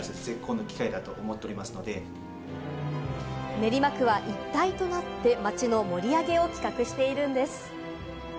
練馬区は一体となって街の盛り上げを企画しているんです。